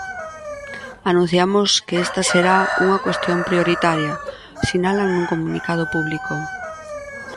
Anunciamos que esta será unha cuestión prioritaria, sinalan nun comunicado público.